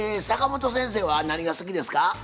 坂本先生は何が好きですか？